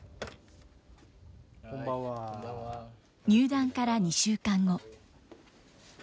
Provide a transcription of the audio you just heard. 入団から２週間後。